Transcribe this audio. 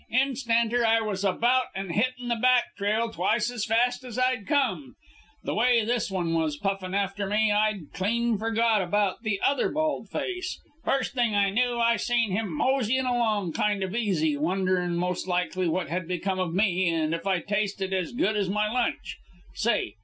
"Instanter I was about and hittin' the back trail twice as fast as I'd come. The way this one was puffin' after me, I'd clean forgot all about the other bald face. First thing I knew I seen him mosying along kind of easy, wonderin' most likely what had become of me, and if I tasted as good as my lunch. Say!